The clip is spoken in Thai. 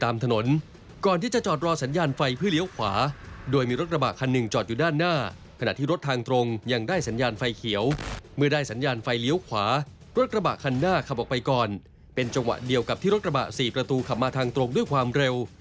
รถกระบะคันหน้าขับออกไปก่อนเป็นจังหวะเดียวกับที่รถกระบะ๔ประตูขับมาทางตรงด้วยความเร็ว